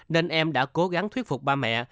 nên em đã cố gắng thuyết phục ba mẹ